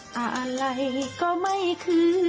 และก็มีการกินยาละลายริ่มเลือดแล้วก็ยาละลายขายมันมาเลยตลอดครับ